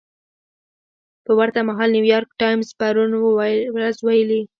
په ورته مهال نیویارک ټایمز پرون ورځ ویلي